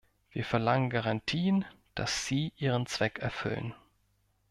Wir verlangen Garantien, dass sie ihren Zweck erfüllen.